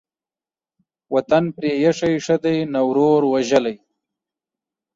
وطن پرې ايښى ښه دى ، نه ورور وژلى.